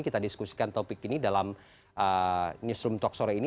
kita diskusikan topik ini dalam newsroom talk sore ini